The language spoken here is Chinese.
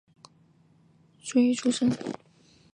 潘善念是南定省义兴府务本县果灵社出生。